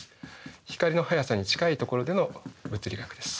光の速さに近いところでの物理学です。